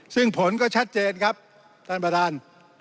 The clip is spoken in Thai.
ซึ่งผลก็ชัดเจนครับท่านประธาน